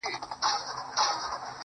خدایه نور یې د ژوندو له کتار باسه.